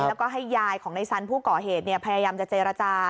แล้วก็ให้ยายของในสันผู้ก่อเหตุพยายามจะเจรจา